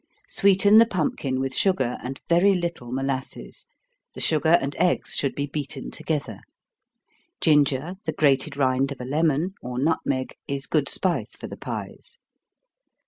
Sweeten the pumpkin with sugar, and very little molasses the sugar and eggs should be beaten together. Ginger, the grated rind of a lemon, or nutmeg, is good spice for the pies.